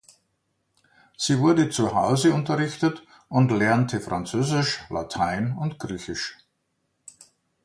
Sie wurde zu Hause unterrichtet und lernte Französisch, Latein und Griechisch.